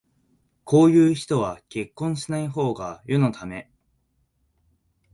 こういう人は結婚しないほうが世のため